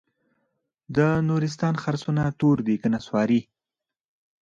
د نورستان خرسونه تور دي که نسواري؟